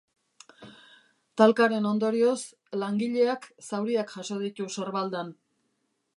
Talkaren ondorioz, langileak zauriak jaso ditu sorbaldan.